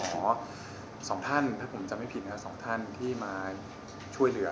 สองท่านถ้าผมจำไม่ผิดนะฮะสองท่านที่มาช่วยเหลือ